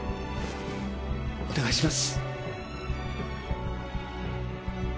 お願いします